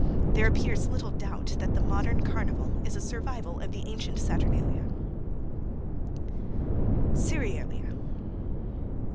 There appears little doubt that the modern Carnival is a survival of the ancient Saturnalia. CEREALIA.